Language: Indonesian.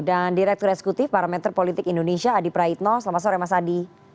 dan direktur eksekutif parameter politik indonesia adi praitno selamat sore mas adi